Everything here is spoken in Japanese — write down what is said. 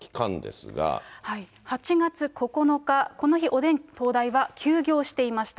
８月９日、この日、おでん東大は休業していました。